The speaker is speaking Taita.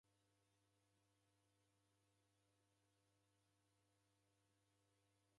Ukaw'uya niko niendagha.